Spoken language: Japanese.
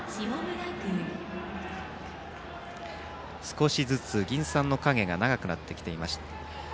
少しずつ銀傘の影が長くなってきています。